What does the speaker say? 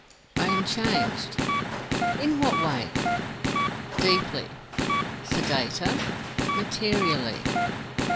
"I am changed." "In what way?" "Deeply." "Sedater?" "Materially."